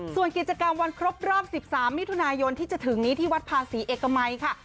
ส่วนกิจกรรมวันครบรอบ๑๓มิถุนายนที่จะถึงนี้ที่วัดภาษีเอกมัยค่ะ